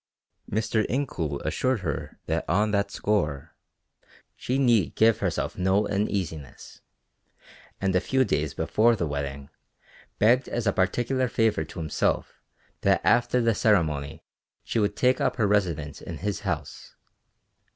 Mr. Incoul assured her that on that score she need give herself no uneasiness, and a few days before the wedding, begged as a particular favor to himself that after the ceremony she would take up her residence in his house.